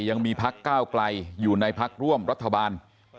ยังมีพักก้าวไกลอยู่ในพักร่วมรัฐบาล